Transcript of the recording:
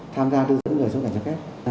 tham gia đưa dẫn người xuất cảnh trái phép